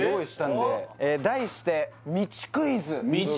題して道クイズ？